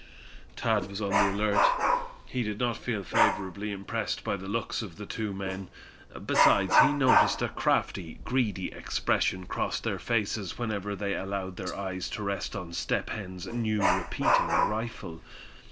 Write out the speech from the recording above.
Thad was on the alert. He did not feel favorably impressed by the looks of the two men. Besides, he noticed a crafty, greedy expression cross their faces whenever they allowed their eyes to rest on Step Hen's new repeating rifle.